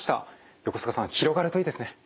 横須賀さん広がるといいですね。